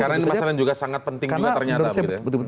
karena ini masalah yang juga sangat penting juga ternyata